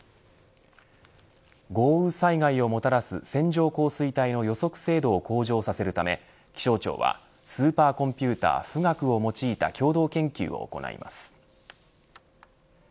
豪雨災害をもたらす線状降水帯の予測精度を向上させるため気象庁はスーパーコンピューター富岳を用いた共同研究を行います。